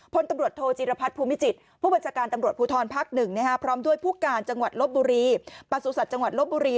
พลตำรวจโทจิรพัทธ์ภูมิจิตผู้บัญชาการตำรวจภูทรภักดิ์๑พร้อมด้วยผู้การจังหวัดลบบุรี